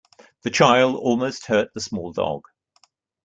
The child almost hurt the small dog.